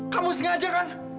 kamu sengaja kan